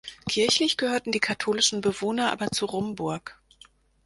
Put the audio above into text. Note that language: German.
Kirchlich gehörten die katholischen Bewohner aber zu Rumburg.